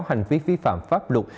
hành vi vi phạm pháp luật